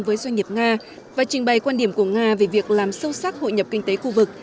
với doanh nghiệp nga và trình bày quan điểm của nga về việc làm sâu sắc hội nhập kinh tế khu vực